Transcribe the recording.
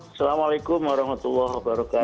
assalamualaikum warahmatullahi wabarakatuh